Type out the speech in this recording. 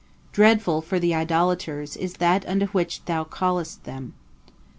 Dreadful for the idolaters is that unto which thou callest them.